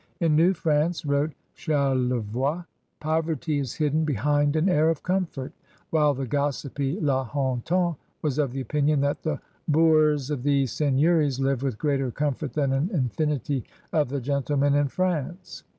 "Li New Prance," wrote Charlevoix, "poverty is hidden behind an air of comfort," while the gossipy La Hontan was of the opinion that "the boors of these seigneuries live with greater comfort than an infinity of the gentlemen in Prance.